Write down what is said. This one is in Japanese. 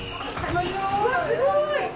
すごい。